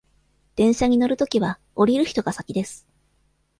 電車に乗るときは、降りる人が先です。